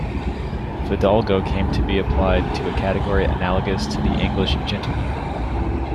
"Fidalgo" came to be applied to a category analogous to the English "gentleman.